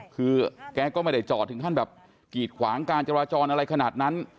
คือแกก็ไม่ได้จอดถึงขั้นแบบกีดขวางการจราจรอะไรขนาดนั้น